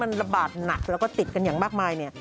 มันระบาดหนักแล้วก็ติดกันอย่างมากมายเนี่ย